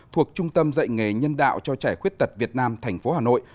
thuộc trung tâm dạy nghề nhân đạo cho trẻ khuyết tật việt nam thành phố hà nội